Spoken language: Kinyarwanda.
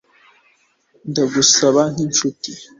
Ndagusaba nkinshuti